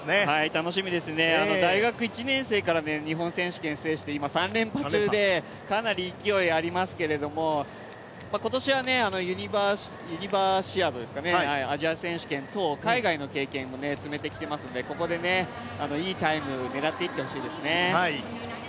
楽しみですね、大学１年生から日本選手権制して今、３連覇中でかなり勢いありますけれども今年はユニバーシアード、アジア選手権等海外の経験も積めてきていますので、ここでいいタイム狙っていってほしいですね。